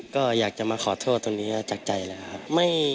ก็อยากจะมาขอโทษตรงนี้จากใจเลยครับ